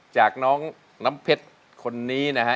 จากน้องน้ำเพชรคนนี้นะฮะ